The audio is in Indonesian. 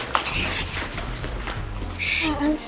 jangan berisik kita harus ngumpet dari om jojo